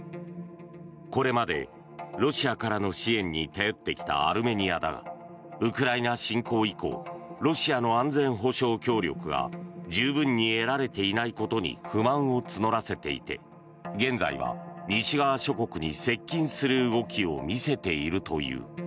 これまでロシアからの支援に頼ってきたアルメニアだがウクライナ侵攻以降ロシアの安全保障協力が十分に得られていないことに不満を募らせていて現在は西側諸国に接近する動きを見せているという。